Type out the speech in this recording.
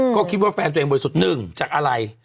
ก็คิดว่าแฟนตัวเองบริสุทธิ์หนึ่งจากอะไร